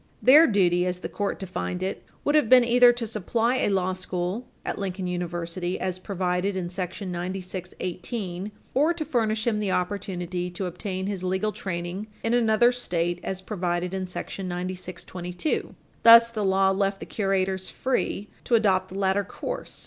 Their duty, as the court defined it, would have been either to supply a law school at Lincoln University as provided in § 9618 or to furnish him the opportunity to obtain his legal training in another State, as provided in § 9622 Thus, the law left the curators free to adopt the latter course.